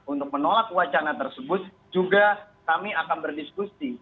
untuk menolak wacana tersebut juga kami akan berdiskusi